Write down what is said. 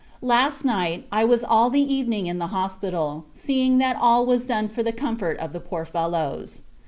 Last night, I was all the evening in the Hospital, seeing that all was done for the comfort of the poor fellows.